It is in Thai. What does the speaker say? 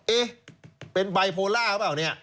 เอ๊ะเป็นไบโพล่าหรือเปล่าเนี่ย